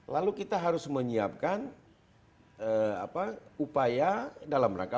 lalu kita harus menyiapkan upaya dalam rangka